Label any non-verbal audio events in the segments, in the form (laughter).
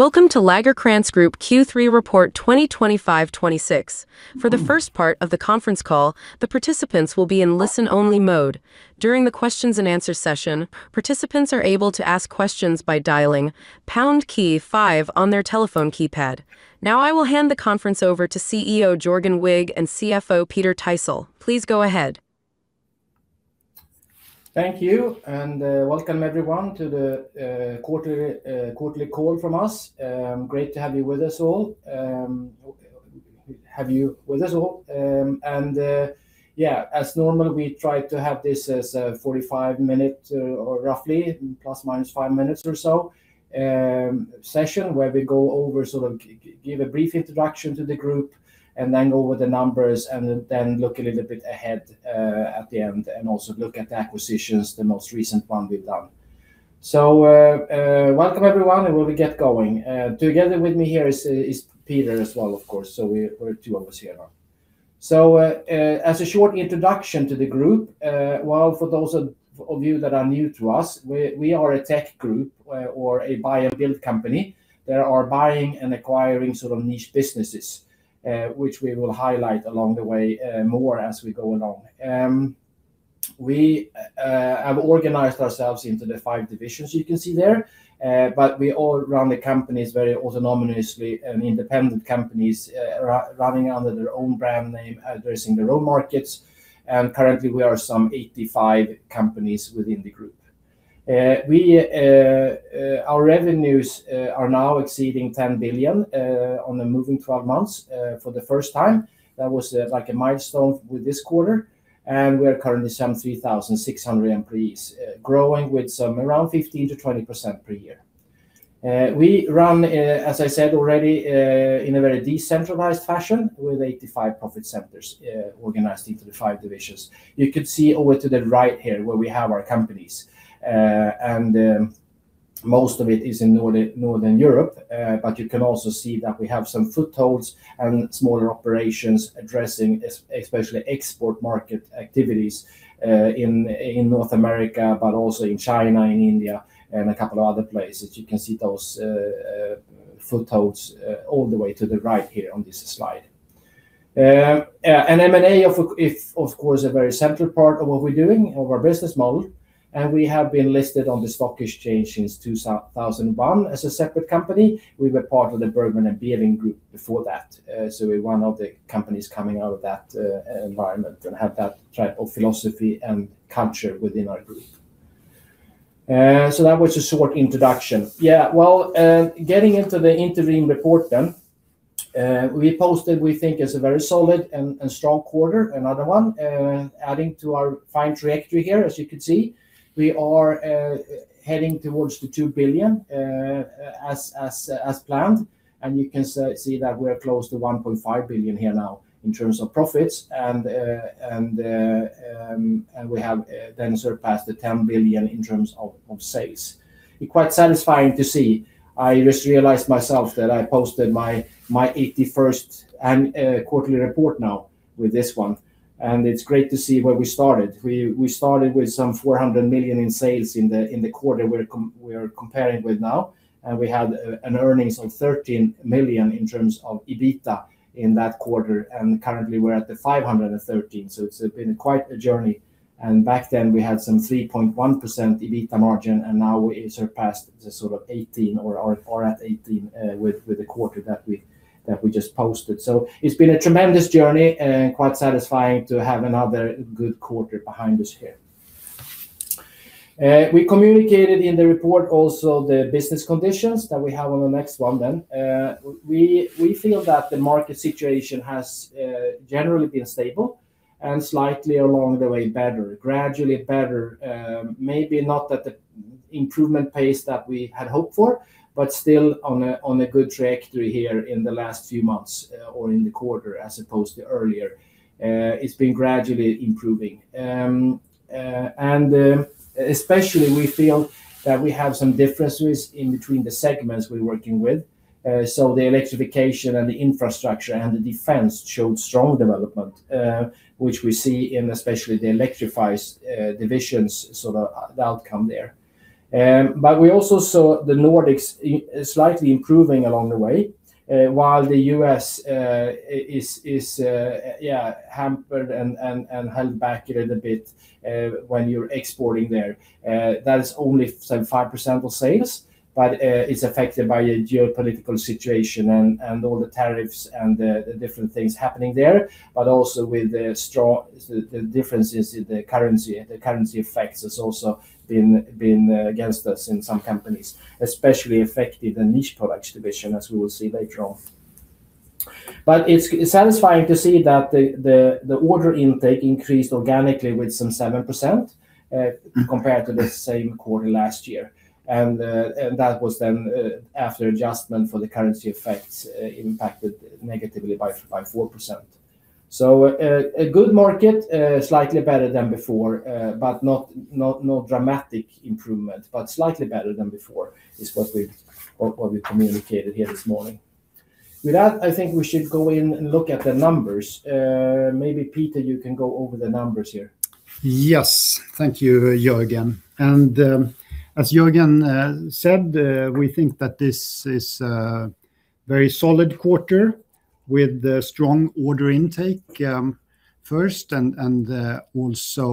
Welcome to Lagercrantz Group Q3 Report 2025-2026. For the first part of the conference call, the participants will be in listen-only mode. During the questions-and-answers session, participants are able to ask questions by dialing pound key five on their telephone keypad. Now I will hand the conference over to CEO Jörgen Wigh and CFO Peter Thysell. Please go ahead. Thank you, and welcome everyone to the quarterly call from us. Great to have you with us all. Have you with us all? Yeah, as normal we try to have this as a 45-minute, roughly, ±5 minutes or so, session where we go over sort of give a brief introduction to the group and then go over the numbers and then look a little bit ahead at the end and also look at the acquisitions, the most recent one we've done. So welcome everyone, and we'll get going. Together with me here is Peter as well, of course, so we're two of us here now. So as a short introduction to the group, well, for those of you that are new to us, we are a tech group or a buy-and-build company that are buying and acquiring sort of Niche businesses, which we will highlight along the way more as we go along. We have organized ourselves into the five divisions you can see there, but we all run the companies very autonomously and independent companies running under their own brand name, addressing their own markets. Currently we are some 85 companies within the group. Our revenues are now exceeding 10 billion on a moving 12 months for the first time. That was like a milestone with this quarter. And we are currently some 3,600 employees, growing with some around 15%-20% per year. We run, as I said already, in a very decentralized fashion with 85 profit centers organized into the five divisions. You could see over to the right here where we have our companies, and most of it is in Northern Europe. You can also see that we have some footholds and smaller operations addressing especially export market activities in North America, but also in China, in India, and a couple of other places. You can see those footholds all the way to the right here on this slide. An M&A is, of course, a very central part of what we're doing, of our business model. We have been listed on the stock exchange since 2001 as a separate company. We were part of the Bergman & Beving Group before that. So we're one of the companies coming out of that environment and have that type of philosophy and culture within our group. So that was a short introduction. Yeah, well, getting into the interim report then, we posted, we think, as a very solid and strong quarter, another one, adding to our fine trajectory here, as you could see. We are heading towards the 2 billion as planned. And you can see that we're close to the 1.5 billion here now in terms of profits. And we have then surpassed the 10 billion in terms of sales. Quite satisfying to see. I just realized myself that I posted my 81st quarterly report now with this one. And it's great to see where we started. We started with some 400 million in sales in the quarter we're comparing with now. We had earnings of 13 million in terms of EBITDA in that quarter. Currently we're at the 513 million. So it's been quite a journey. Back then we had some 3.1% EBITDA margin, and now we surpassed the sort of 18% or are at 18% with the quarter that we just posted. So it's been a tremendous journey and quite satisfying to have another good quarter behind us here. We communicated in the report also the business conditions that we have on the next one then. We feel that the market situation has generally been stable and slightly along the way better, gradually better. Maybe not at the improvement pace that we had hoped for, but still on a good trajectory here in the last few months or in the quarter as opposed to earlier. It's been gradually improving. Especially we feel that we have some differences between the segments we're working with. So the electrification and the infrastructure and the defense showed strong development, which we see in especially the electrified divisions, sort of the outcome there. But we also saw the Nordics slightly improving along the way, while the U.S. is, yeah, hampered and held back a little bit when you're exporting there. That is only some 5% of sales, but it's affected by the geopolitical situation and all the tariffs and the different things happening there. But also with the differences in the currency, the currency effects has also been against us in some companies, especially affected the Niche Products division, as we will see later on. But it's satisfying to see that the order intake increased organically with some 7% compared to the same quarter last year. That was then after adjustment for the currency effects impacted negatively by 4%. A good market, slightly better than before, but not dramatic improvement, but slightly better than before. This is what we communicated here this morning. With that, I think we should go in and look at the numbers. Maybe Peter, you can go over the numbers here. Yes, thank you, Jörgen. And as Jörgen said, we think that this is a very solid quarter with strong order intake first and also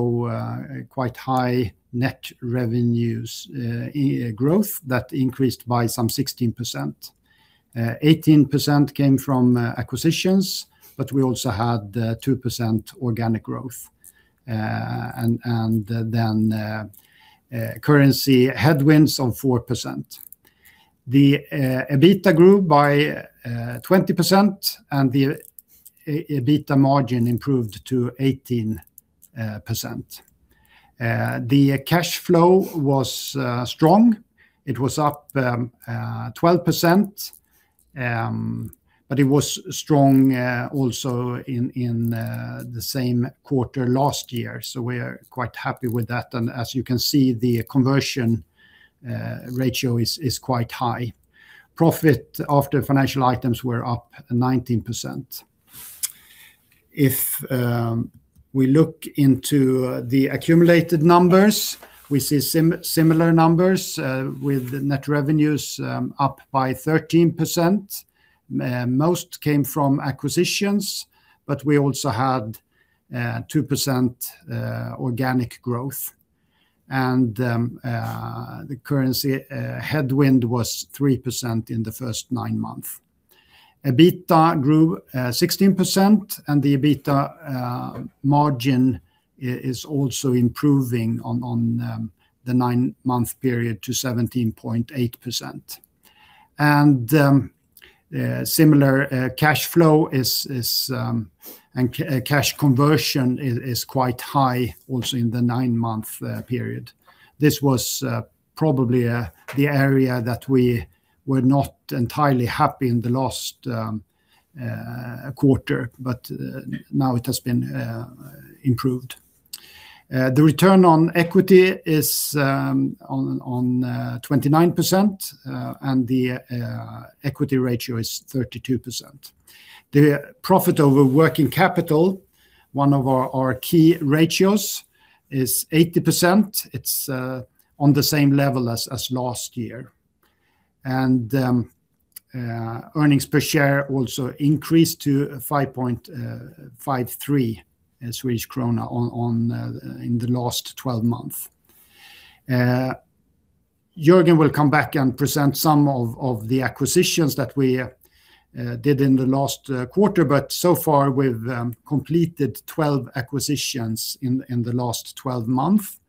quite high net revenues growth that increased by some 16%. 18% came from acquisitions, but we also had 2% organic growth and then currency headwinds of 4%. The EBITDA grew by 20%, and the EBITDA margin improved to 18%. The cash flow was strong. It was up 12%, but it was strong also in the same quarter last year. So we are quite happy with that. And as you can see, the conversion ratio is quite high. Profit after financial items were up 19%. If we look into the accumulated numbers, we see similar numbers with net revenues up by 13%. Most came from acquisitions, but we also had 2% organic growth. And the currency headwind was 3% in the first nine months. EBITDA grew 16%, and the EBITDA margin is also improving over the nine-month period to 17.8%. Similar cash flow and cash conversion is quite high also in the nine-month period. This was probably the area that we were not entirely happy with in the last quarter, but now it has been improved. The return on equity is 29%, and the equity ratio is 32%. The profit over working capital, one of our key ratios, is 80%. It's on the same level as last year. Earnings per share also increased to 5.53 Swedish krona in the last 12 months. Jörgen will come back and present some of the acquisitions that we did in the last quarter, but so far we've completed 12 acquisitions in the last 12 months.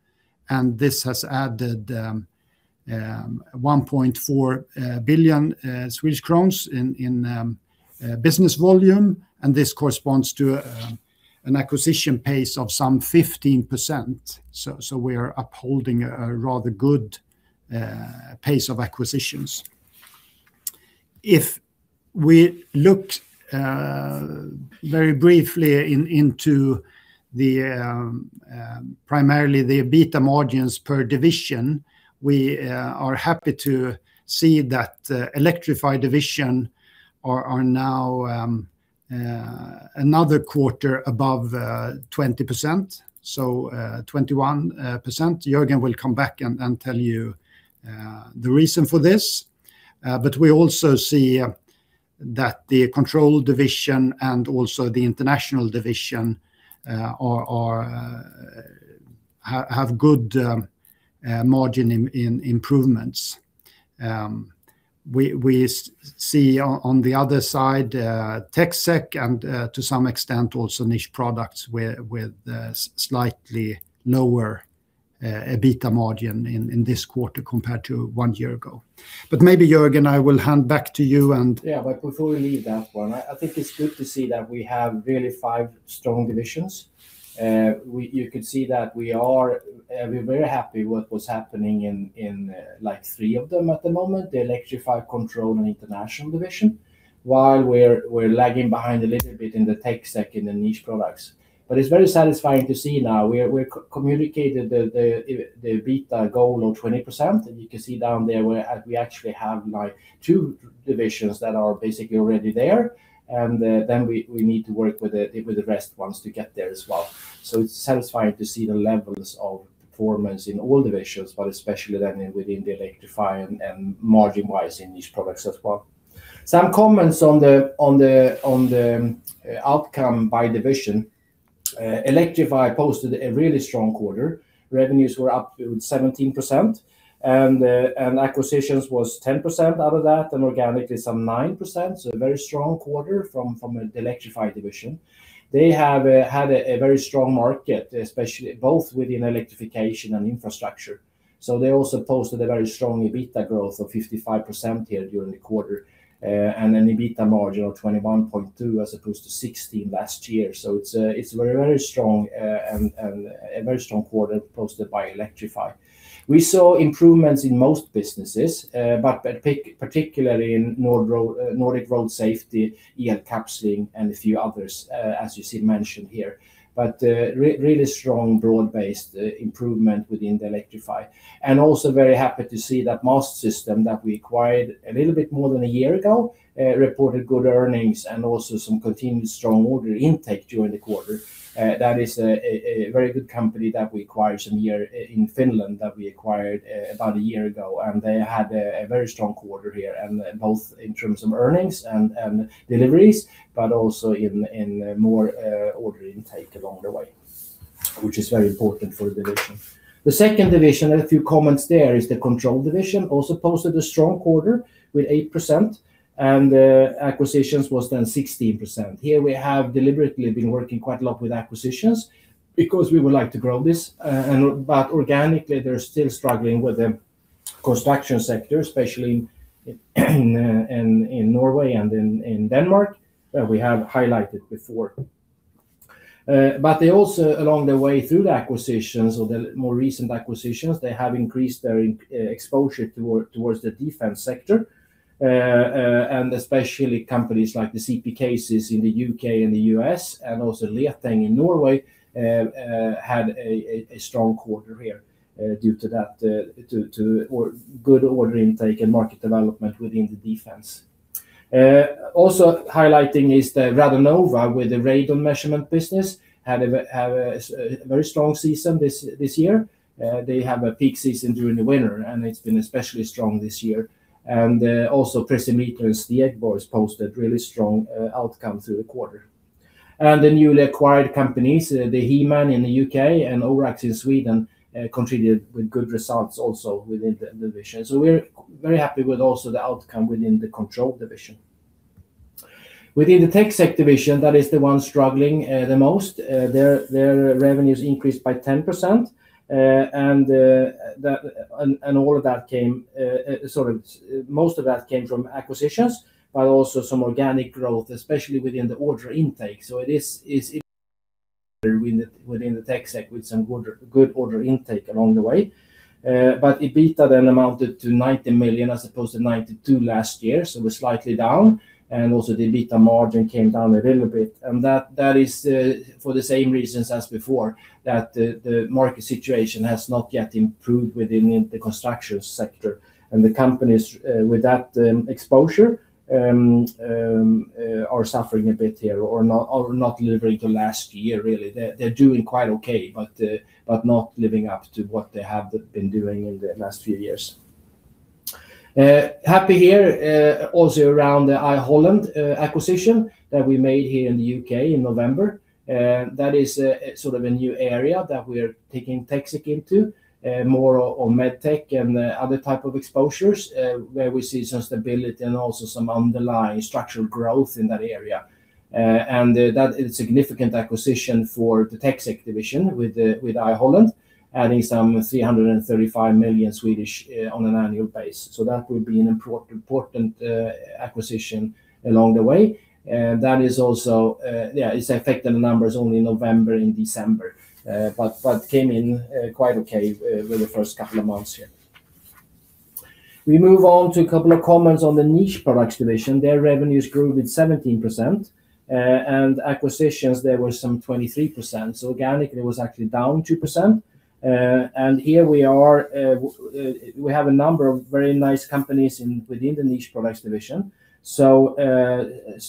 This has added 1.4 billion Swedish crowns in business volume. This corresponds to an acquisition pace of some 15%. So we are upholding a rather good pace of acquisitions. If we look very briefly into primarily the EBITDA margins per division, we are happy to see that Electrify division are now another quarter above 20%, so 21%. Jörgen will come back and tell you the reason for this. But we also see that the Control division and also the International division have good margin improvements. We see on the other side TecSec and to some extent also Niche Products with slightly lower EBITDA margin in this quarter compared to one year ago. But maybe Jörgen, I will hand back to you and. Yeah, but before we leave that one, I think it's good to see that we have really five strong divisions. You could see that we are very happy with what was happening in like three of them at the moment, the Electrify, Control, and International division, while we're lagging behind a little bit in the TecSec and the Niche Products. But it's very satisfying to see now. We communicated the EBITDA goal of 20%. And you can see down there we actually have like two divisions that are basically already there. And then we need to work with the rest ones to get there as well. So it's satisfying to see the levels of performance in all divisions, but especially then within the Electrify and margin-wise in Niche Products as well. Some comments on the outcome by division. Electrify posted a really strong quarter. Revenues were up with 17%. Acquisitions was 10% out of that and organically some 9%. So a very strong quarter from the Electrify division. They have had a very strong market, especially both within electrification and infrastructure. So they also posted a very strong EBITDA growth of 55% here during the quarter and an EBITDA margin of 21.2% as opposed to 16% last year. So it's a very, very strong and a very strong quarter posted by Electrify. We saw improvements in most businesses, but particularly in Nordic Road Safety, Elkapsling, and a few others, as you see mentioned here. But really strong broad-based improvement within the Electrify. And also very happy to see that Mastsystem that we acquired a little bit more than a year ago reported good earnings and also some continued strong order intake during the quarter. That is a very good company that we acquired one here in Finland that we acquired about a year ago. They had a very strong quarter here, both in terms of earnings and deliveries, but also in more order intake along the way, which is very important for the division. The second division, a few comments there, is the Control division. It also posted a strong quarter with 8%. And acquisitions was then 16%. Here we have deliberately been working quite a lot with acquisitions because we would like to grow this. But organically, they're still struggling with the construction sector, especially in Norway and in Denmark, where we have highlighted before. But they also, along the way through the acquisitions or the more recent acquisitions, they have increased their exposure towards the defense sector. Especially companies like the CP Cases in the U.K. and the U.S. and also Leteng in Norway had a strong quarter here due to that, good order intake and market development within the defense. Also highlighting is the Radonova with the radon measurement business. Had a very strong season this year. They have a peak season during the winter, and it's been especially strong this year. And also Precimeter and Stegborgs posted really strong outcome through the quarter. And the newly acquired companies, the He-Man in the U.K. and Orax in Sweden, contributed with good results also within the division. So we're very happy with also the outcome within the control division. Within the TecSec division, that is the one struggling the most. Their revenues increased by 10%. And all of that came sort of most of that came from acquisitions, but also some organic growth, especially within the order intake. So it is within the TecSec with some good order intake along the way. But EBITDA then amounted to 90 million as opposed to 92 million last year. So we're slightly down. And also the EBITDA margin came down a little bit. And that is for the same reasons as before, that the market situation has not yet improved within the construction sector. And the companies with that exposure are suffering a bit here or not delivering to last year, really. They're doing quite okay, but not living up to what they have been doing in the last few years. Happy here also around the I Holland acquisition that we made here in the U.K. in November. That is sort of a new area that we are taking TecSec into, more on med tech and other type of exposures where we see some stability and also some underlying structural growth in that area. That is a significant acquisition for the TecSec division with I Holland, adding some 335 million on an annual basis. So that will be an important acquisition along the way. That is also yeah, it's affected the numbers only in November and December, but came in quite okay with the first couple of months here. We move on to a couple of comments on the Niche Products division. Their revenues grew with 17%. And acquisitions, there was some 23%. So organically, it was actually down 2%. And here we are. We have a number of very nice companies within the Niche Products division. But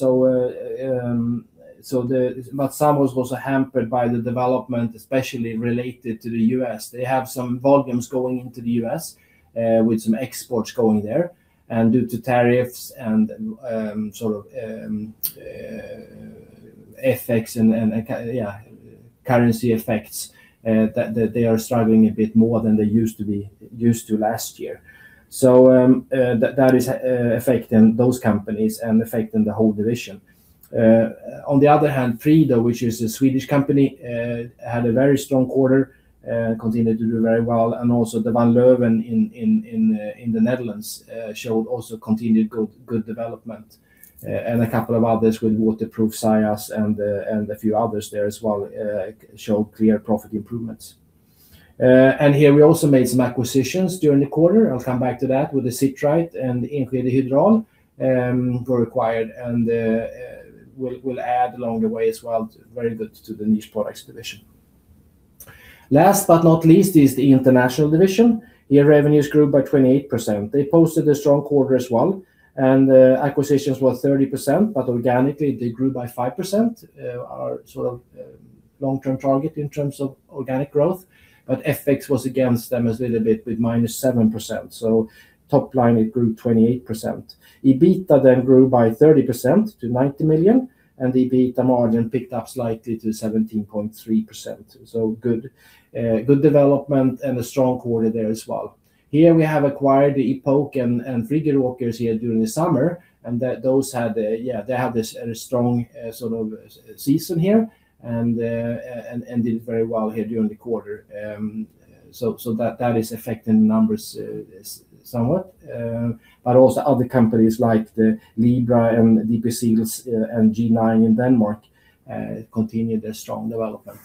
some was also hampered by the development, especially related to the U.S. They have some volumes going into the U.S. with some exports going there. And due to tariffs and sort of effects and, yeah, currency effects, they are struggling a bit more than they used to be used to last year. So that is affecting those companies and affecting the whole division. On the other hand, Prido, which is a Swedish company, had a very strong quarter, continued to do very well. And also Van Leeuwen Test Group in the Netherlands showed also continued good development. And a couple of others with Waterproof Diving International, Sajas Group and a few others there as well showed clear profit improvements. And here we also made some acquisitions during the quarter. I'll come back to that with the Sit Right and Enskede Hydraul. Were acquired and will add along the way as well. Very good to the Niche Products division. Last but not least is the International division. Here, revenues grew by 28%. They posted a strong quarter as well. And acquisitions were 30%, but organically, they grew by 5%, our sort of long-term target in terms of organic growth. But FX was against them a little bit with -7%. So top line, it grew 28%. EBITDA then grew by 30% to 90 million. And the EBITDA margin picked up slightly to 17.3%. So good development and a strong quarter there as well. Here, we have acquired the Epoke and Friggeråkers here during the summer. And those had, yeah, they had a strong sort of season here and did very well here during the quarter. So that is affecting the numbers somewhat. But also other companies like the Libra-Plast and DP Seals and G9 in Denmark continued their strong development.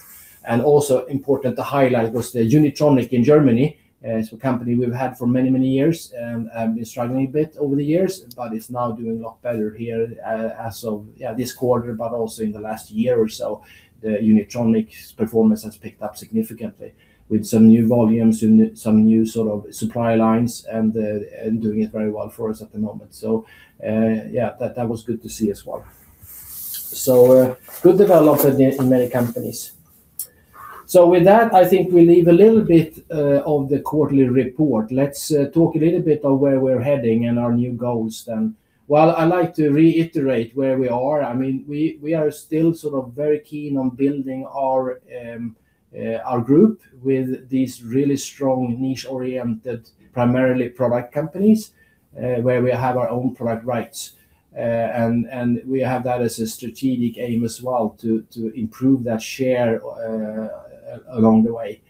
And also important to highlight was the Unitronic in Germany. It's a company we've had for many, many years and have been struggling a bit over the years, but it's now doing a lot better here as of, yeah, this quarter, but also in the last year or so. The Unitronic's performance has picked up significantly with some new volumes, some new sort of supply lines, and doing it very well for us at the moment. So yeah, that was good to see as well. So good development in many companies. So with that, I think we leave a little bit of the quarterly report. Let's talk a little bit of where we're heading and our new goals then. Well, I like to reiterate where we are. I mean, we are still sort of very keen on building our group with these really strong Niche-oriented, primarily product companies where we have our own product rights. And we have that as a strategic aim as well to improve that share along the way.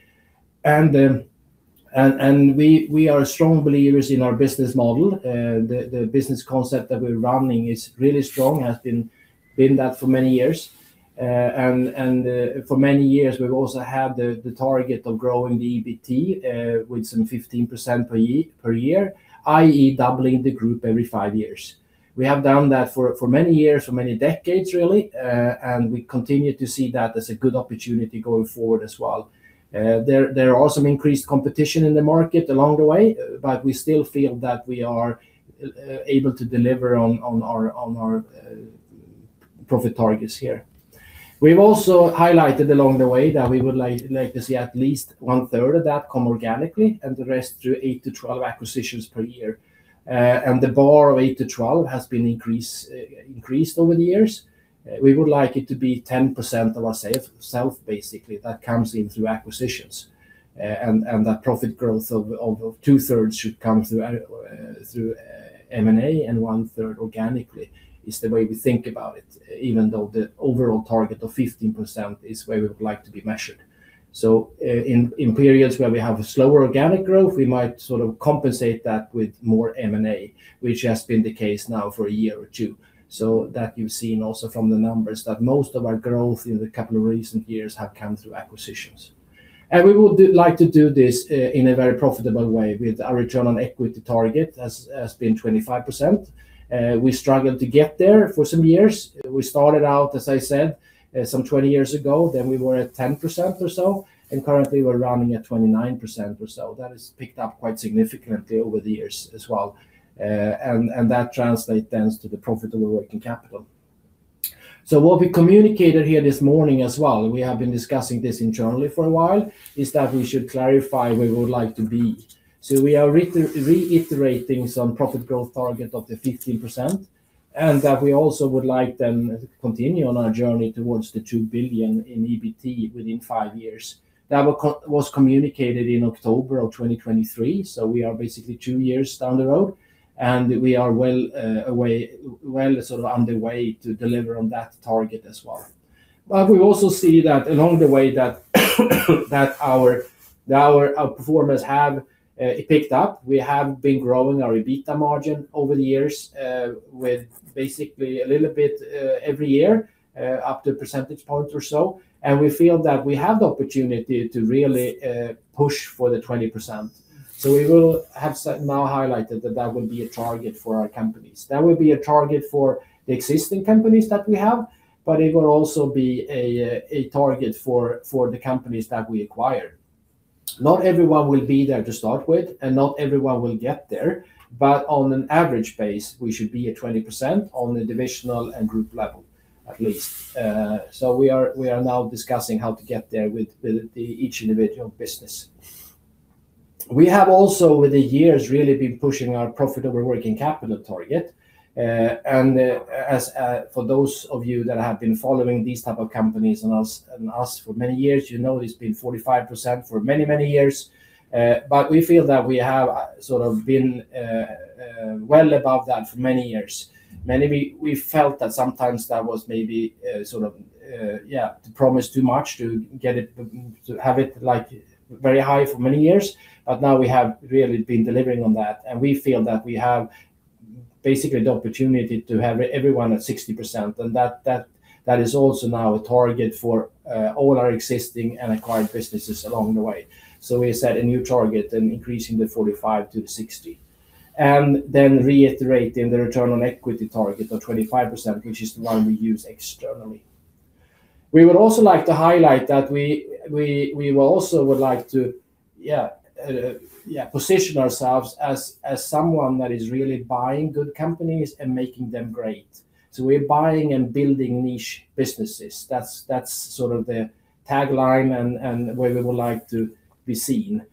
And we are strong believers in our business model. The business concept that we're running is really strong. It has been that for many years. And for many years, we've also had the target of growing the EBITDA with some 15% per year, i.e., doubling the group every 5 years. We have done that for many years, for many decades, really. And we continue to see that as a good opportunity going forward as well. There are some increased competition in the market along the way, but we still feel that we are able to deliver on our profit targets here. We've also highlighted along the way that we would like to see at least 1/3 of that come organically and the rest through 8-12 acquisitions per year. The bar of 8-12 has been increased over the years. We would like it to be 10% of our sales, basically. That comes in through acquisitions. That profit growth of two-thirds should come through M&A and one-third organically is the way we think about it, even though the overall target of 15% is where we would like to be measured. In periods where we have a slower organic growth, we might sort of compensate that with more M&A, which has been the case now for a year or two. That you've seen also from the numbers that most of our growth in the couple of recent years have come through acquisitions. We would like to do this in a very profitable way with our return on equity target has been 25%. We struggled to get there for some years. We started out, as I said, some 20 years ago. Then we were at 10% or so. And currently, we're running at 29% or so. That has picked up quite significantly over the years as well. And that translates then to the profitable working capital. So what we communicated here this morning as well, we have been discussing this internally for a while, is that we should clarify where we would like to be. So we are reiterating some profit growth target of the 15% and that we also would like then to continue on our journey towards the 2 billion in EBITDA within 5 years. That was communicated in October of 2023. So we are basically two years down the road. We are well sort of underway to deliver on that target as well. We also see that along the way that our performance has picked up; we have been growing our EBITDA margin over the years with basically a little bit every year up to a percentage point or so. We feel that we have the opportunity to really push for the 20%. We will have now highlighted that that will be a target for our companies. That will be a target for the existing companies that we have, but it will also be a target for the companies that we acquired. Not everyone will be there to start with and not everyone will get there. On an average basis, we should be at 20% on the divisional and group level, at least. We are now discussing how to get there with each individual business. We have also, with the years, really been pushing our profitable working capital target. For those of you that have been following these type of companies and us for many years, you know it's been 45% for many, many years. But we feel that we have sort of been well above that for many years. We felt that sometimes that was maybe sort of, yeah, to promise too much to have it very high for many years. But now we have really been delivering on that. We feel that we have basically the opportunity to have everyone at 60%. That is also now a target for all our existing and acquired businesses along the way. So we set a new target and increasing the 45 to the 60 and then reiterating the return on equity target of 25%, which is the one we use externally. We would also like to highlight that we also would like to, yeah, position ourselves as someone that is really buying good companies and making them great. So we're buying and building Niche businesses. That's sort of the tagline and where we would like to be seen.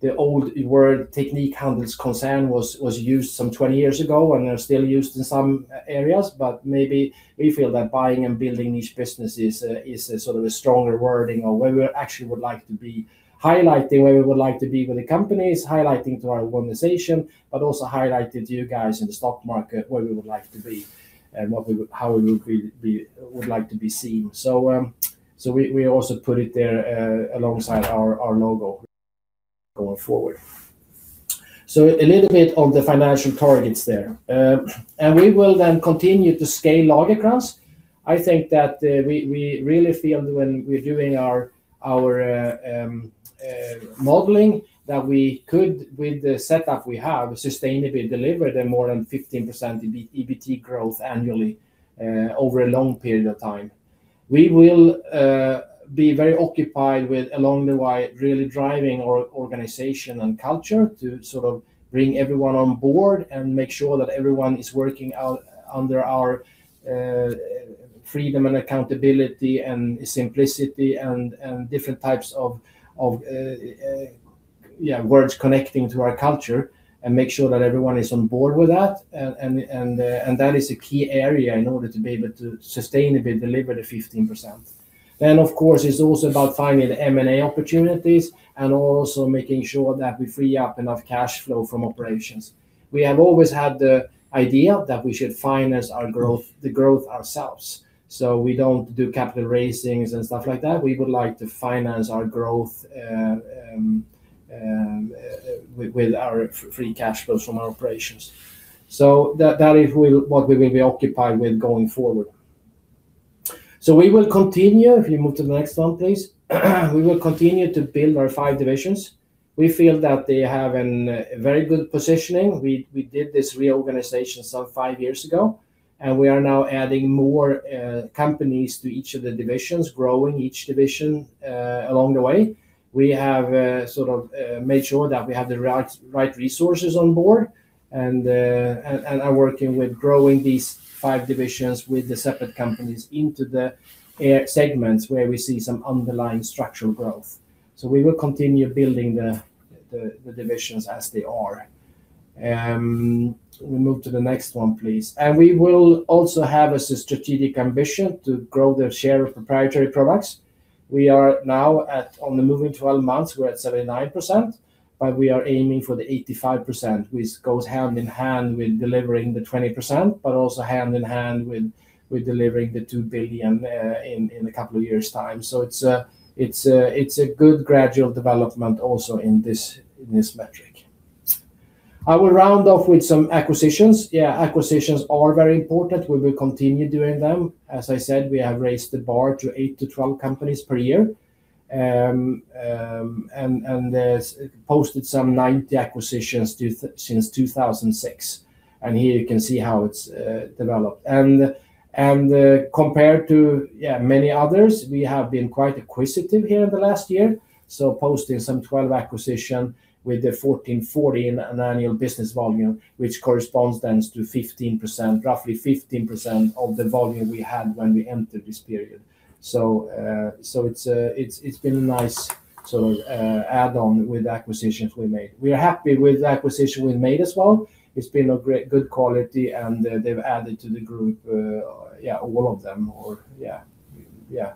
The old word Teknikhandelskoncern was used some 20 years ago, and they're still used in some areas. But maybe we feel that buying and building Niche businesses is sort of a stronger wording of where we actually would like to be, highlighting where we would like to be with the companies, highlighting to our organization, but also highlighting to you guys in the stock market where we would like to be and how we would like to be seen. So we also put it there alongside our logo going forward. So a little bit on the financial targets there. We will then continue to scale Lagercrantz. I think that we really feel when we're doing our modeling that we could, with the setup we have, sustainably deliver them more than 15% EBITDA growth annually over a long period of time. We will be very occupied with, along the way, really driving our organization and culture to sort of bring everyone on board and make sure that everyone is working under our freedom and accountability and simplicity and different types of, yeah, words connecting to our culture and make sure that everyone is on board with that. That is a key area in order to be able to sustainably deliver the 15%. Of course, it's also about finding the M&A opportunities and also making sure that we free up enough cash flow from operations. We have always had the idea that we should finance the growth ourselves. We don't do capital raisings and stuff like that. We would like to finance our growth with our free cash flow from our operations. That is what we will be occupied with going forward. So we will continue if you move to the next one, please. We will continue to build our five divisions. We feel that they have a very good positioning. We did this reorganization some five years ago. We are now adding more companies to each of the divisions, growing each division along the way. We have sort of made sure that we have the right resources on board and are working with growing these five divisions with the separate companies into the segments where we see some underlying structural growth. So we will continue building the divisions as they are. We move to the next one, please. We will also have a strategic ambition to grow the share of proprietary products. We are now at, on the moving 12 months, we're at 79%, but we are aiming for the 85%, which goes hand in hand with delivering the 20%, but also hand in hand with delivering the 2 billion in a couple of years' time. So it's a good gradual development also in this metric. I will round off with some acquisitions. Yeah, acquisitions are very important. We will continue doing them. As I said, we have raised the bar to 8-12 companies per year and posted some 90 acquisitions since 2006. And here you can see how it's developed. And compared to, yeah, many others, we have been quite acquisitive here in the last year, so posting some 12 acquisitions with the 1,440 in an annual business volume, which corresponds then to 15%, roughly 15% of the volume we had when we entered this period. So it's been a nice sort of add-on with acquisitions we made. We are happy with the acquisition we made as well. It's been a good quality, and they've added to the group, yeah, all of them or, yeah, yeah,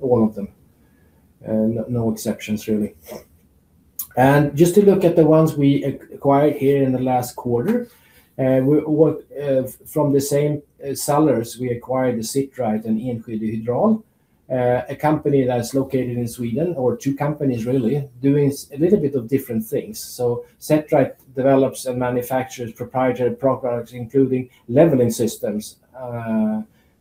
all of them. No exceptions, really. Just to look at the ones we acquired here in the last quarter, from the same sellers, we acquired the Sit Right and Enskede Hydraul, a company that's located in Sweden or two companies, really, doing a little bit of different things. So Sit Right develops and manufactures proprietary products, including leveling systems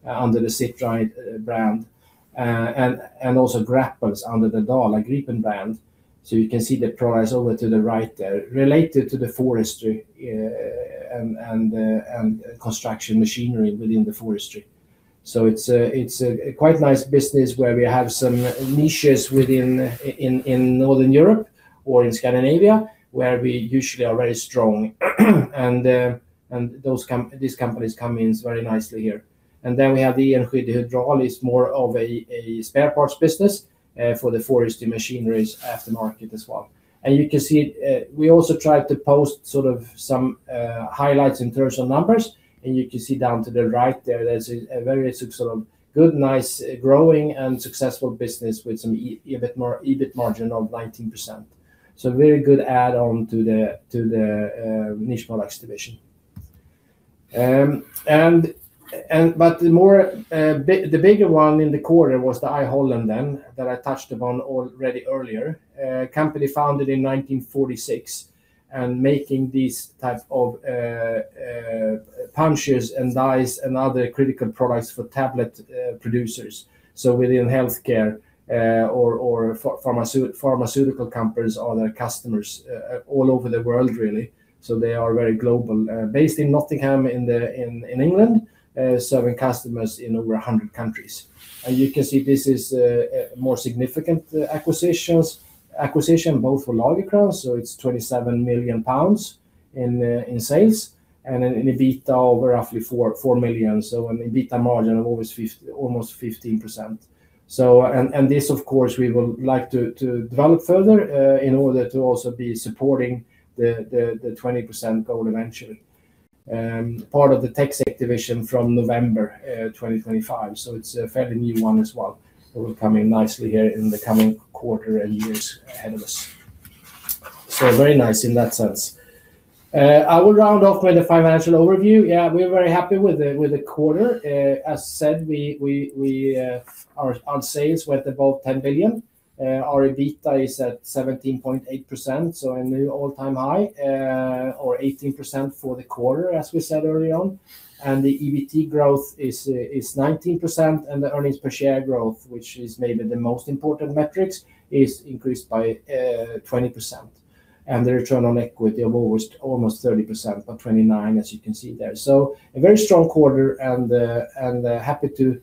under the Sit Right brand and also grapples under the Dala-Gripen brand. So you can see the products over to the right there, related to the forestry and construction machinery within the forestry. So it's a quite nice business where we have some Niches within Northern Europe or in Scandinavia where we usually are very strong. These companies come in very nicely here. Then we have the Enskede Hydraul, which is more of a spare parts business for the forestry machinery aftermarket as well. You can see we also tried to post sort of some highlights in terms of numbers. You can see down to the right there, there's a very sort of good, nice, growing, and successful business with some EBIT margin of 19%. So a very good add-on to the Niche Products division. But the bigger one in the quarter was the I Holland then that I touched upon already earlier, company founded in 1946 and making these types of punches and dies and other critical products for tablet producers, so within healthcare or pharmaceutical companies or their customers all over the world, really. So they are very global, based in Nottingham in England, serving customers in over 100 countries. And you can see this is more significant acquisition, both for Lagercrantz. So it's 27 million pounds in sales. And in EBITDA, we're roughly 4 million. So an EBITDA margin of almost 15%. And this, of course, we would like to develop further in order to also be supporting the 20% goal eventually, part of the TecSec division from November 2025. So it's a fairly new one as well. It will come in nicely here in the coming quarter and years ahead of us. So very nice in that sense. I will round off with a financial overview. Yeah, we're very happy with the quarter. As said, our sales went above 10 billion. Our EBITDA is at 17.8%, so a new all-time high or 18% for the quarter, as we said early on. And the EBITDA growth is 19%. And the earnings per share growth, which is maybe the most important metrics, is increased by 20%. And the return on equity of almost 30% but 29%, as you can see there. So a very strong quarter and happy to,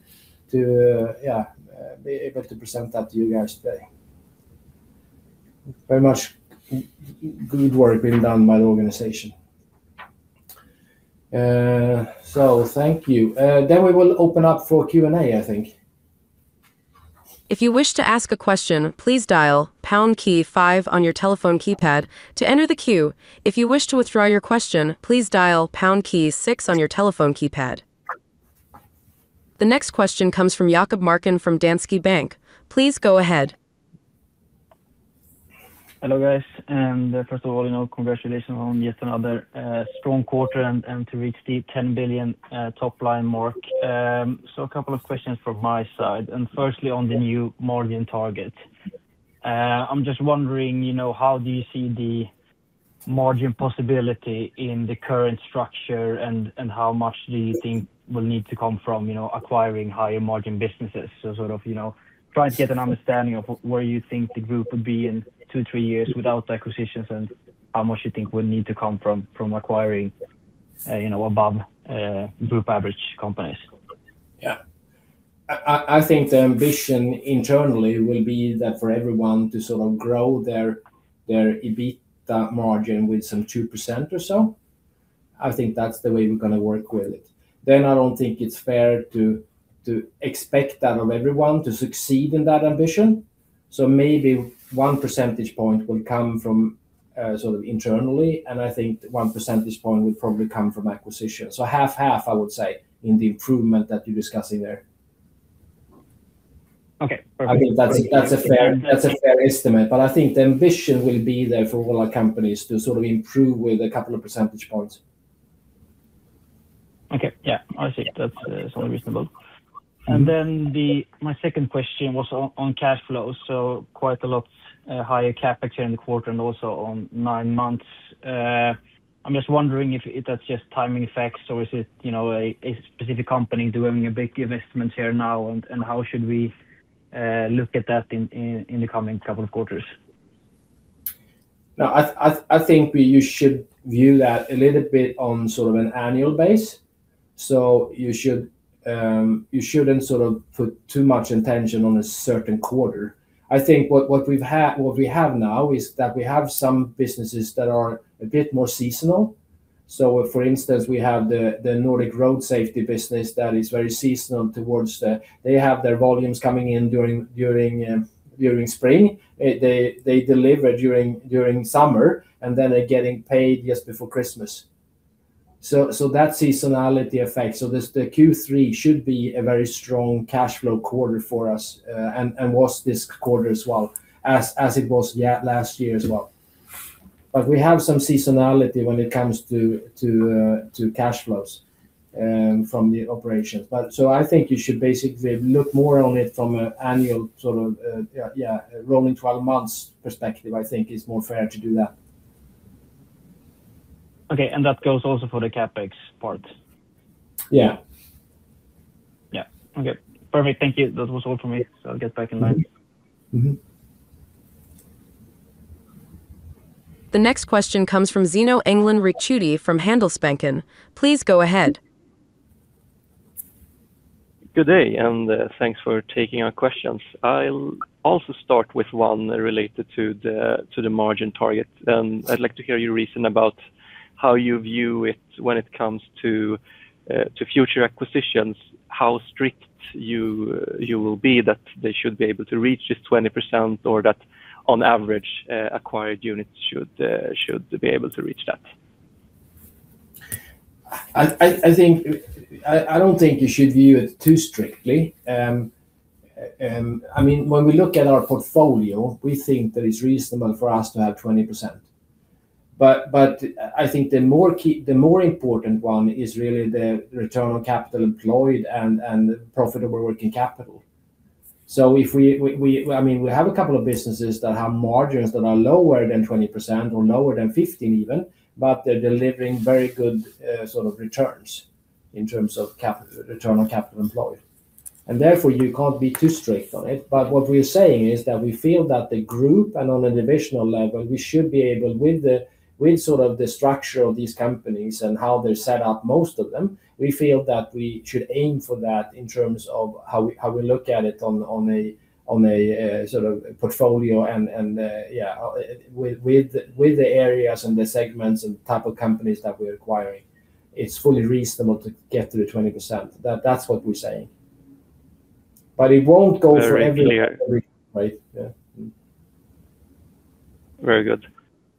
yeah, be able to present that to you guys today. Very much good work being done by the organization. So thank you. Then we will open up for Q&A, I think. If you wish to ask a question, please dial pound key five on your telephone keypad to enter the queue. If you wish to withdraw your question, please dial pound key six on your telephone keypad. The next question comes from Jakob Marken from Danske Bank. Please go ahead. Hello, guys. First of all, congratulations on yet another strong quarter and to reach the 10 billion top-line mark. A couple of questions from my side. Firstly, on the new margin target, I'm just wondering, how do you see the margin possibility in the current structure and how much do you think will need to come from acquiring higher-margin businesses? Sort of trying to get an understanding of where you think the group would be in two, three years without the acquisitions and how much you think would need to come from acquiring above-group-average companies. Yeah. I think the ambition internally will be that for everyone to sort of grow their EBITDA margin with some 2% or so. I think that's the way we're going to work with it. Then I don't think it's fair to expect that of everyone to succeed in that ambition. So maybe one percentage point will come from sort of internally. And I think one percentage point would probably come from acquisition. So 50/50, I would say, in the improvement that you're discussing there. Okay. Perfect. I think that's a fair estimate. But I think the ambition will be there for all our companies to sort of improve with a couple of percentage points. Okay. Yeah. I see. That's sounding reasonable. And then my second question was on cash flows. So quite a lot higher CapEx here in the quarter and also on nine months. I'm just wondering if that's just timing effects or is it a specific company doing a big investment here now? And how should we look at that in the coming couple of quarters? Now, I think you should view that a little bit on sort of an annual basis. So you shouldn't sort of put too much attention on a certain quarter. I think what we have now is that we have some businesses that are a bit more seasonal. So for instance, we have the Nordic Road Safety business that is very seasonal towards the. They have their volumes coming in during spring. They deliver during summer, and then they're getting paid just before Christmas. So that seasonality affects. So the Q3 should be a very strong cash flow quarter for us and was this quarter as well as it was last year as well. But we have some seasonality when it comes to cash flows from the operations. So, I think you should basically look more on it from an annual sort of, yeah, rolling 12-month perspective, I think, is more fair to do that. Okay. And that goes also for the CapEx part? Yeah. Yeah. Okay. Perfect. Thank you. That was all from me. So I'll get back in line. The next question comes from Zino Engdalen Ricciuti from Handelsbanken. Please go ahead. Good day. Thanks for taking our questions. I'll also start with one related to the margin target. I'd like to hear your reason about how you view it when it comes to future acquisitions, how strict you will be that they should be able to reach this 20% or that, on average, acquired units should be able to reach that. I don't think you should view it too strictly. I mean, when we look at our portfolio, we think that it's reasonable for us to have 20%. But I think the more important one is really the return on capital employed and profitable working capital. So I mean, we have a couple of businesses that have margins that are lower than 20% or lower than 15% even, but they're delivering very good sort of returns in terms of return on capital employed. And therefore, you can't be too strict on it. But what we're saying is that we feel that the group and on a divisional level, we should be able with sort of the structure of these companies and how they're set up, most of them, we feel that we should aim for that in terms of how we look at it on a sort of portfolio and, yeah, with the areas and the segments and type of companies that we're acquiring, it's fully reasonable to get to the 20%. That's what we're saying. But it won't go for every company, right? Yeah. Very good.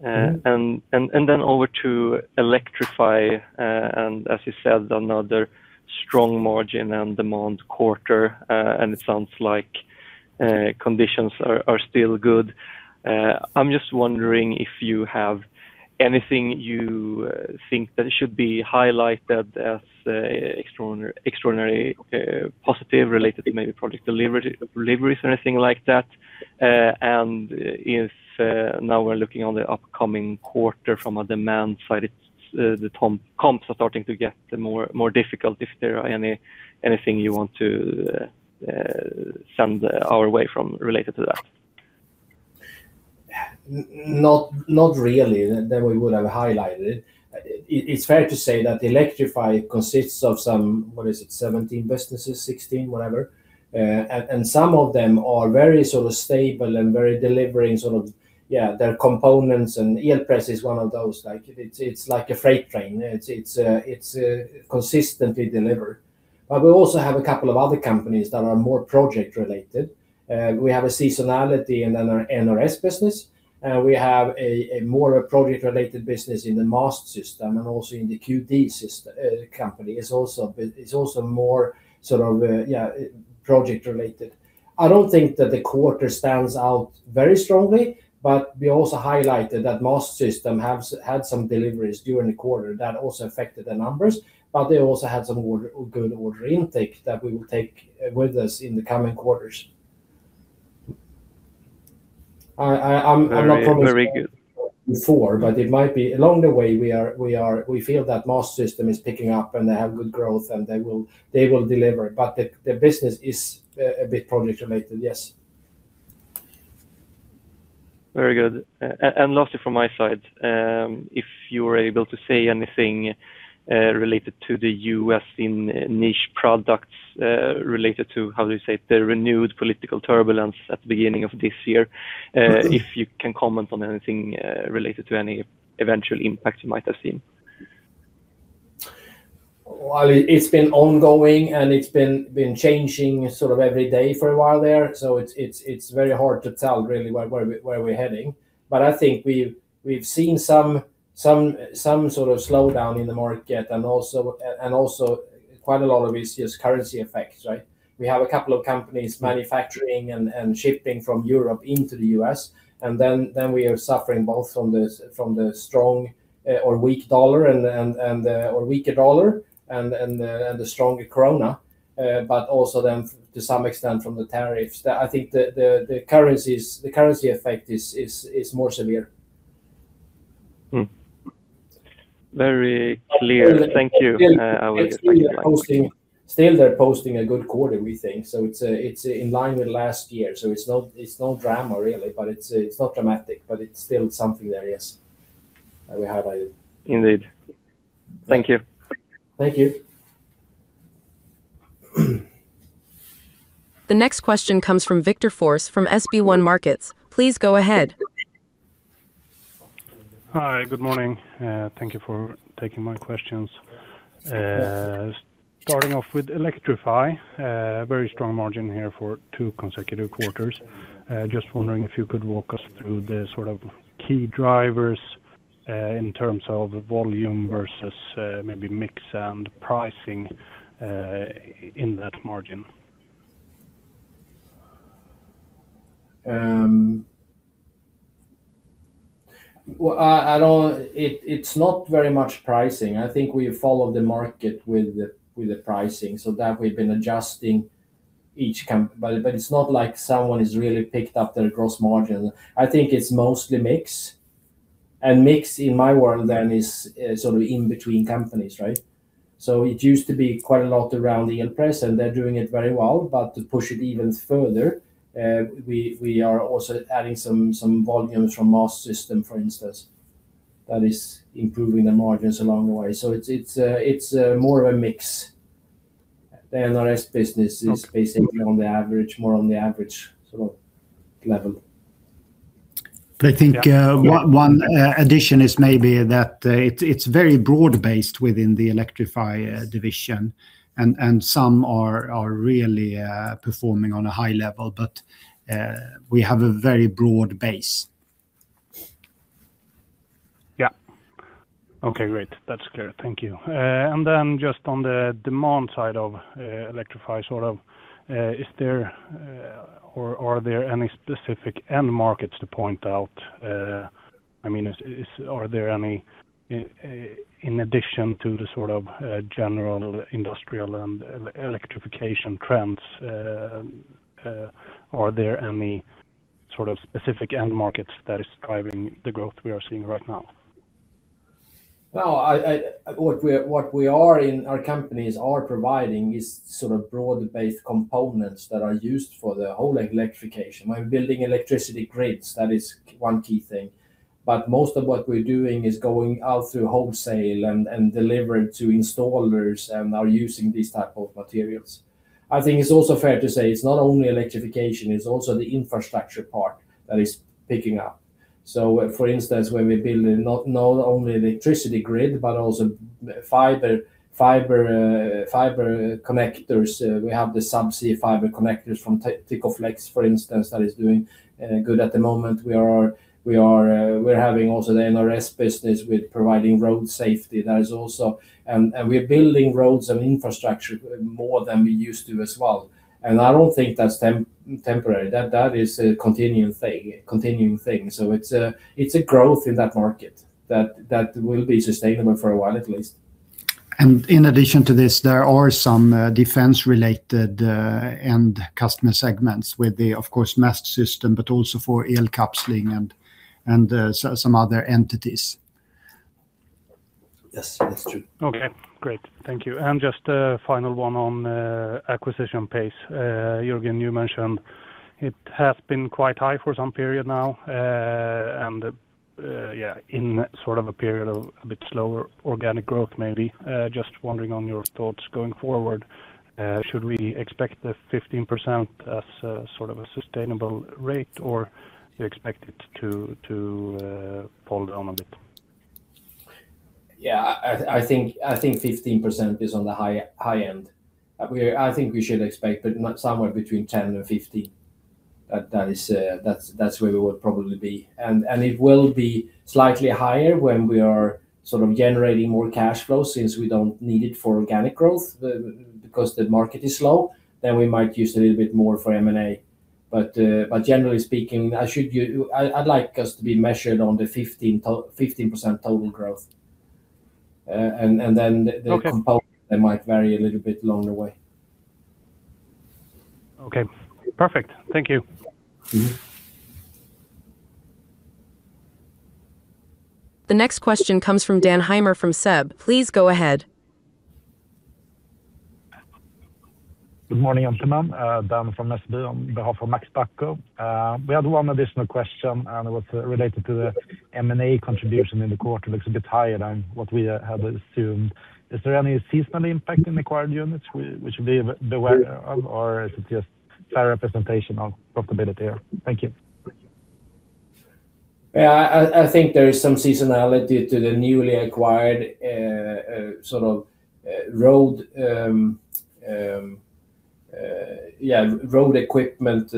And then over to Electrify. And as you said, another strong margin and demand quarter. And it sounds like conditions are still good. I'm just wondering if you have anything you think that should be highlighted as extraordinarily positive related to maybe product deliveries or anything like that. And if now we're looking on the upcoming quarter from a demand side, the comps are starting to get more difficult. If there are anything you want to send our way from related to that. Not really that we would have highlighted. It's fair to say that Electrify consists of some, what is it, 17 businesses, 16, whatever. And some of them are very sort of stable and very delivering sort of, yeah, their components. And Elpress is one of those. It's like a freight train. It's consistently delivered. But we also have a couple of other companies that are more project-related. We have a seasonality and then our NRS business. And we have more of a project-related business in the Mastsystem and also in the Cue Dee company. It's also more sort of, yeah, project-related. I don't think that the quarter stands out very strongly. But we also highlighted that Mastsystem had some deliveries during the quarter that also affected the numbers. But they also had some good order intake that we will take with us in the coming quarters. I'm not promising before, but it might be along the way. We feel that Mastsystem is picking up and they have good growth and they will deliver. But the business is a bit project-related, yes. Very good. And lastly from my side, if you were able to say anything related to the U.S. in Niche products related to, how do you say it, the renewed political turbulence at the beginning of this year, if you can comment on anything related to any eventual impact you might have seen? Well, it's been ongoing, and it's been changing sort of every day for a while there. So it's very hard to tell, really, where we're heading. But I think we've seen some sort of slowdown in the market and also quite a lot of it's just currency effects, right? We have a couple of companies manufacturing and shipping from Europe into the U.S. And then we are suffering both from the strong or weak dollar or weaker dollar and the stronger krona, but also then, to some extent, from the tariffs. I think the currency effect is more severe. Very clear. Thank you. I will get back in line. Still, they're posting a good quarter, we think. So it's in line with last year. So it's no drama, really. But it's not dramatic. But it's still something there, yes, that we highlighted. Indeed. Thank you. Thank you. The next question comes from Victor Forss from SB1 Markets. Please go ahead. Hi. Good morning. Thank you for taking my questions. Starting off with Electrify, very strong margin here for two consecutive quarters. Just wondering if you could walk us through the sort of key drivers in terms of volume versus maybe mix and pricing in that margin. It's not very much pricing. I think we follow the market with the pricing. So that way, we've been adjusting each company. But it's not like someone has really picked up their gross margin. I think it's mostly mix. And mix, in my world then, is sort of in between companies, right? So it used to be quite a lot around Elpress, and they're doing it very well. But to push it even further, we are also adding some volumes from Mastsystem, for instance, that is improving the margins along the way. So it's more of a mix. The NRS business is basically on the average, more on the average sort of level. I think one addition is maybe that it's very broad-based within the Electrify division. And some are really performing on a high level. But we have a very broad base. Yeah. Okay. Great. That's clear. Thank you. And then just on the demand side of Electrify sort of, are there any specific end markets to point out? I mean, are there any, in addition to the sort of general industrial and electrification trends, are there any sort of specific end markets that is driving the growth we are seeing right now? Well, what we are in our companies are providing is sort of broad-based components that are used for the whole electrification. We're building electricity grids. That is one key thing. But most of what we're doing is going out through wholesale and delivering to installers and are using these type of materials. I think it's also fair to say it's not only electrification. It's also the infrastructure part that is picking up. So for instance, when we're building not only electricity grid but also fiber connectors, we have the subsea fiber connectors from Tykoflex, for instance, that is doing good at the moment. We're having also the NRS business with providing road safety that is also. And we're building roads and infrastructure more than we used to as well. And I don't think that's temporary. That is a continuing thing. It's a growth in that market that will be sustainable for a while, at least. And in addition to this, there are some defense-related end customer segments with the, of course, Mastsystem but also for Elkapsling and some other entities. Yes. That's true. Okay. Great. Thank you. And just a final one on acquisition pace. Jörgen, you mentioned it has been quite high for some period now and, yeah, in sort of a period of a bit slower organic growth maybe. Just wondering on your thoughts going forward. Should we expect the 15% as sort of a sustainable rate, or do you expect it to pull down a bit? Yeah. I think 15% is on the high end. I think we should expect somewhere between 10% and 15%. That's where we would probably be. And it will be slightly higher when we are sort of generating more cash flow since we don't need it for organic growth because the market is slow. Then we might use a little bit more for M&A. But generally speaking, I'd like us to be measured on the 15% total growth. And then the components, they might vary a little bit along the way. Okay. Perfect. Thank you. The next question comes from Dan Heimer from SEB. Please go ahead. Good morning. (audio distortion) Dan from SEB on behalf of Max Bacco. We had one additional question, and it was related to the M&A contribution in the quarter. Looks a bit higher than what we had assumed. Is there any seasonal impact in acquired units we should be aware of, or is it just fair representation of profitability here? Thank you. Yeah. I think there is some seasonality to the newly acquired sort of road equipment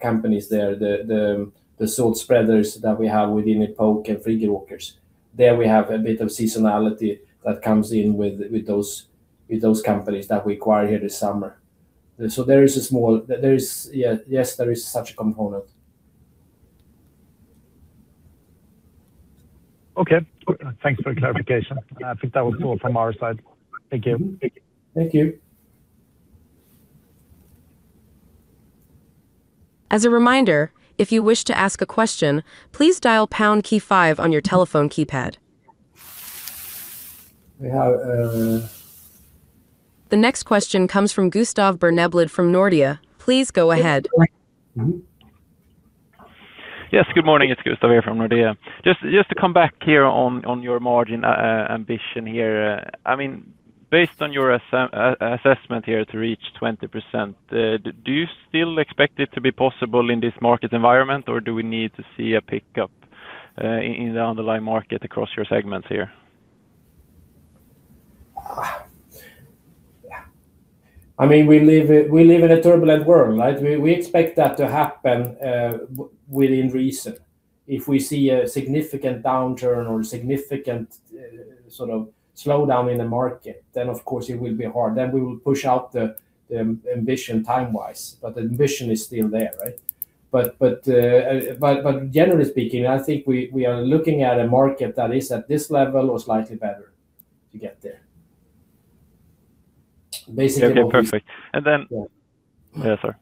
companies there, the salt spreaders that we have within Epoke and Friggeråkers. There we have a bit of seasonality that comes in with those companies that we acquired here this summer. So there is a small yes, there is such a component. Okay. Thanks for the clarification. I think that was all from our side. Thank you. Thank you. As a reminder, if you wish to ask a question, please dial pound key five on your telephone keypad. We have. The next question comes from Gustav Berneblad from Nordea. Please go ahead. Yes. Good morning. It's Gustav here from Nordea. Just to come back here on your margin ambition here. I mean, based on your assessment here to reach 20%, do you still expect it to be possible in this market environment, or do we need to see a pickup in the underlying market across your segments here? I mean, we live in a turbulent world, right? We expect that to happen within reason. If we see a significant downturn or significant sort of slowdown in the market, then, of course, it will be hard. Then we will push out the ambition time-wise. But the ambition is still there, right? But generally speaking, I think we are looking at a market that is at this level or slightly better to get there. Basically. Okay. Perfect. Yes, sir.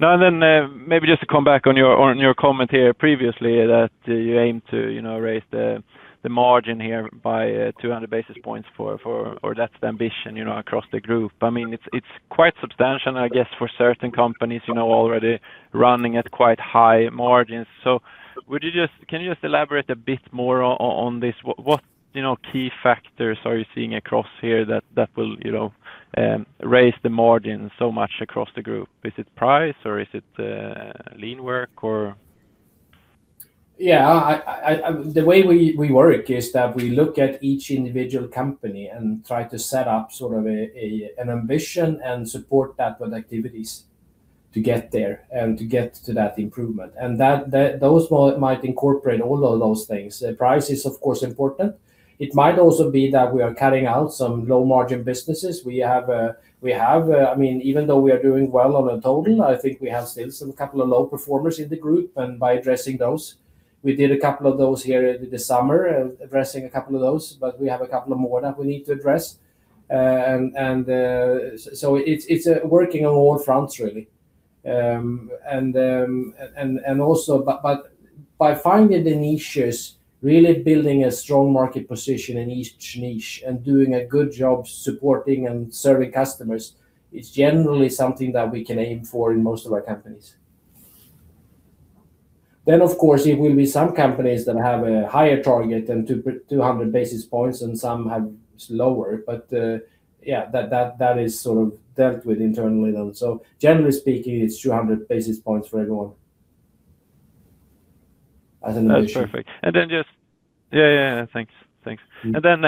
Now, maybe just to come back on your comment here previously that you aim to raise the margin here by 200 basis points for or that's the ambition across the group. I mean, it's quite substantial, I guess, for certain companies already running at quite high margins. So can you just elaborate a bit more on this? What key factors are you seeing across here that will raise the margin so much across the group? Is it price, or is it lean work, or? Yeah. The way we work is that we look at each individual company and try to set up sort of an ambition and support that with activities to get there and to get to that improvement. And those might incorporate all of those things. Price is, of course, important. It might also be that we are cutting out some low-margin businesses. We have a, I mean, even though we are doing well on the total, I think we have still a couple of low performers in the group. And by addressing those we did a couple of those here this summer, addressing a couple of those. But we have a couple more that we need to address. And so it's working on all fronts, really. By finding the Niches, really building a strong market position in each Niche and doing a good job supporting and serving customers, it's generally something that we can aim for in most of our companies. Then, of course, it will be some companies that have a higher target than 200 basis points and some have lower. But yeah, that is sort of dealt with internally then. So generally speaking, it's 200 basis points for everyone as an ambition. That's perfect. And then just yeah, yeah, yeah. Thanks. Thanks. And then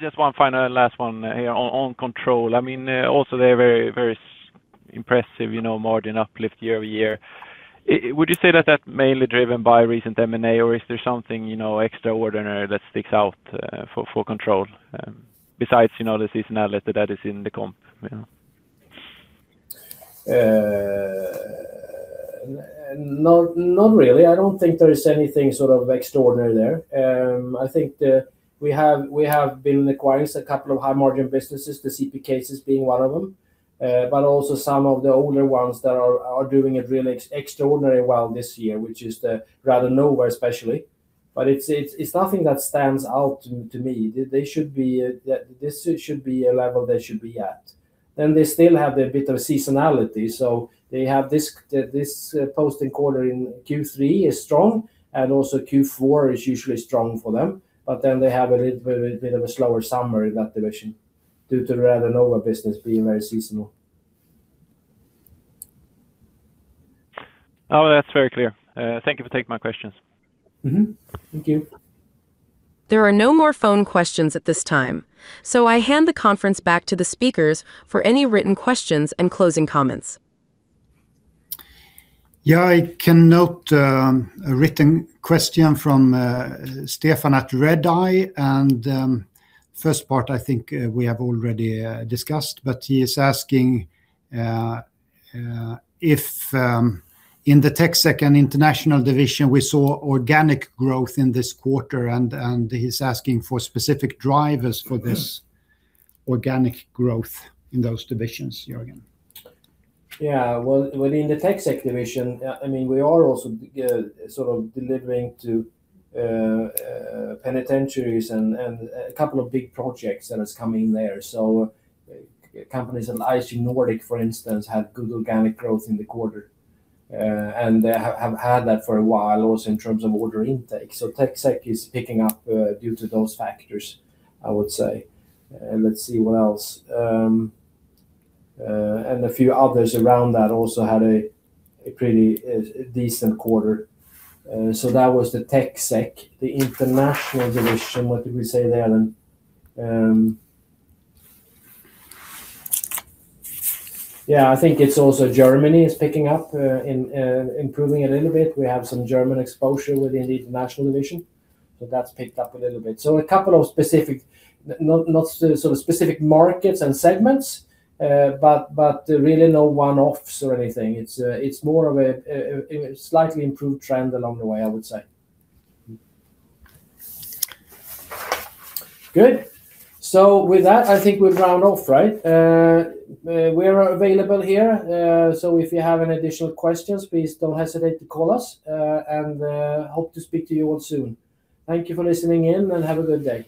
just one final, last one here on Control. I mean, also, they're very impressive margin uplift year-over-year. Would you say that that's mainly driven by recent M&A, or is there something extraordinary that sticks out for Control besides the seasonality that is in the comp? Not really. I don't think there is anything sort of extraordinary there. I think we have been acquiring a couple of high-margin businesses, the CP Cases being one of them, but also some of the older ones that are doing it really extraordinary well this year, which is the Radonova especially. But it's nothing that stands out to me. This should be a level they should be at. Then they still have a bit of seasonality. So they have this posting quarter in Q3 is strong, and also Q4 is usually strong for them. But then they have a little bit of a slower summer in that division due to the Radonova business being very seasonal. Oh, that's very clear. Thank you for taking my questions. Thank you. There are no more phone questions at this time. I hand the conference back to the speakers for any written questions and closing comments. Yeah. I can note a written question from Stefan at Redeye. First part, I think we have already discussed. But he is asking if in the TecSec and International division, we saw organic growth in this quarter. He's asking for specific drivers for this organic growth in those divisions, Jörgen. Yeah. Well, in the TecSec division, I mean, we are also sort of delivering to penitentiaries and a couple of big projects that are coming there. So companies like ISG Nordic, for instance, had good organic growth in the quarter. And they have had that for a while also in terms of order intake. So TecSec is picking up due to those factors, I would say. Let's see what else. And a few others around that also had a pretty decent quarter. So that was the TecSec. The international division, what did we say there then? Yeah. I think it's also Germany is picking up, improving a little bit. We have some German exposure within the international division. So that's picked up a little bit. So a couple of specific not sort of specific markets and segments, but really no one-offs or anything. It's more of a slightly improved trend along the way, I would say. Good. So with that, I think we'll round off, right? We are available here. So if you have any additional questions, please don't hesitate to call us. And hope to speak to you all soon. Thank you for listening in, and have a good day.